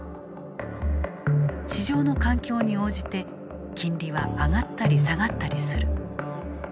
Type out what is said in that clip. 市場の環境に応じて金利は上がったり下がったりする。